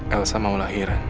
elsa mau lahiran